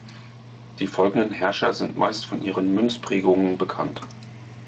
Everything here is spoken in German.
Die folgenden Herrscher sind meist von ihren Münzprägungen bekannt.